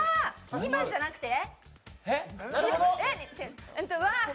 ２番じゃなくて？